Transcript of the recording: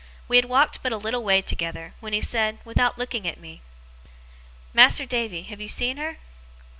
We had walked but a little way together, when he said, without looking at me: 'Mas'r Davy, have you seen her?